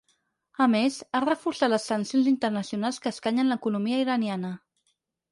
A més, ha reforçat les sancions internacionals que escanyen l’economia iraniana.